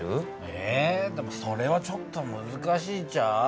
え⁉でもそれはちょっとむずかしいんちゃう？